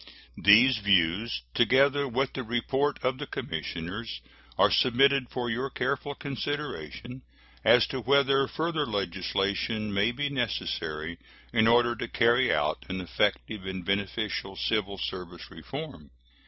These views, together with the report of the commissioners, are submitted for your careful consideration as to whether further legislation may be necessary in order to carry out an effective and beneficial civil service reform.